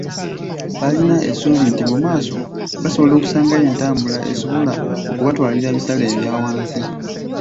Balina essuubi nti mu maaso basobole okusangayo entambula esobola okubatwalira bisale ebya wansi.